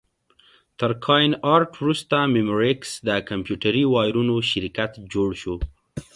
تر کاین ارټ وروسته مموریکس د کمپیوټري وایرونو شرکت جوړ شو.